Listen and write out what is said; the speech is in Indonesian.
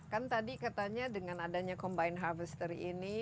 kan tadi katanya dengan adanya combined harvester ini